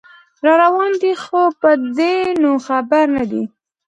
راروان دی خو په دې نو خبر نه دی